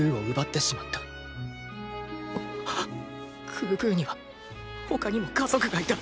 グーグーには他にも家族がいた。